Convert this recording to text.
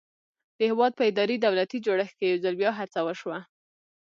د هېواد په اداري دولتي جوړښت کې یو ځل بیا هڅه وشوه.